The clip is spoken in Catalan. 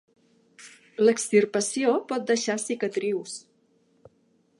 L'extirpació pot deixar cicatrius.